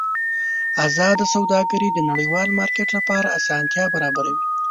ازاده سوداګري د نړیوال مارکېټ لپاره اسانتیا برابروي.